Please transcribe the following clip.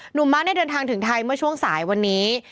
ม้าได้เดินทางถึงไทยเมื่อช่วงสายวันนี้